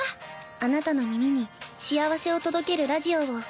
あなたの耳に幸せを届けるラジオを。